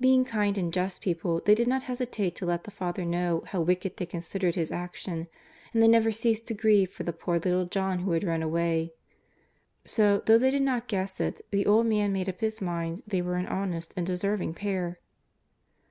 Being kind and just people, they did not hesitate to let the father know how wicked they considered his action, and they never ceased to grieve for the poor little John who had run away. So, though they did not guess it, the old man made up his mind they were an honest and deserving pair.